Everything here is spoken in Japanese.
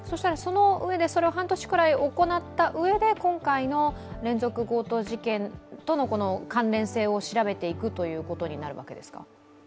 半年くらい行ったうえで、今回の連続強盗事件との関連性を調べていくということになるわけですか。